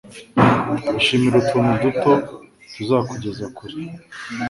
Ishimire utuntu duto. Tuzakugeza kure